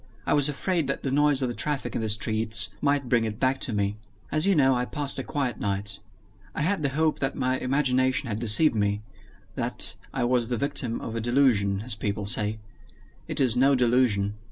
I was afraid that the noise of the traffic in the streets might bring it back to me. As you know, I passed a quiet night. I had the hope that my imagination had deceived me that I was the victim of a delusion, as people say. It is no delusion.